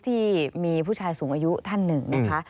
ที่มีผู้ชายสูงอายุท่านหนึ่งนะคะ